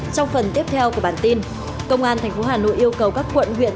trong phần tiếp theo của bản tin công an thành phố hà nội yêu cầu các quận huyện